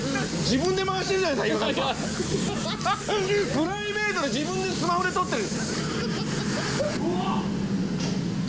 プライベートで自分でスマホで撮ってる。